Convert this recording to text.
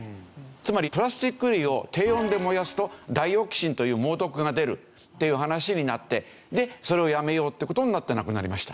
つまりプラスチック類を低温で燃やすとダイオキシンという猛毒が出るっていう話になってでそれをやめようって事になってなくなりましたね。